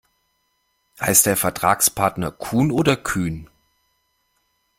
Heißt der Vertragspartner Kuhn oder Kühn?